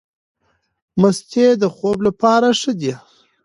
مستې د خوب لپاره ښې دي.